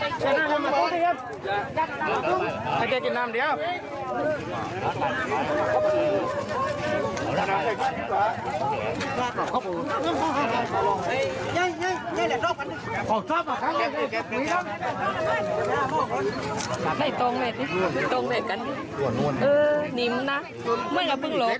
เออนิ่มนะเมื่อกี้เราเพิ่งหลอกกราฟ